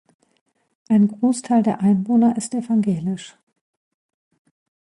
Ein Großteil der Einwohner ist evangelisch.